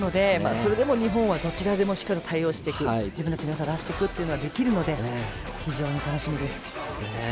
それでも日本はどちらでも対応していく自分たちのよさを出すことができるので非常に楽しみです。